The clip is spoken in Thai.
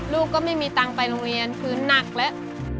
ลูกก็ไม่มีตังค์ไปโรงเรียนคือนักแล้ว